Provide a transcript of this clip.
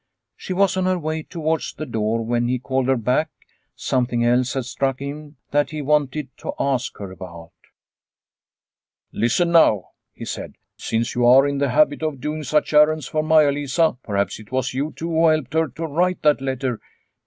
She was on her way towards the door when he called her back. Something else had struck him that he wanted to ask her about. " Listen now," he said. " Since you are in the habit of doing such errands for Maia Lisa, perhaps it was you too who helped her to write that letter.